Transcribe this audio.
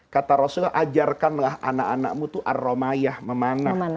kata rasulullah ajarkanlah anak anakmu itu ar romayah memanah